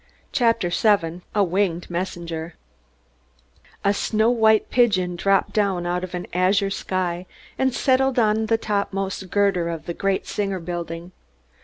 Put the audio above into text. CHAPTER VII A WINGED MESSENGER A snow white pigeon dropped down out of an azure sky and settled on a top most girder of the great Singer Building.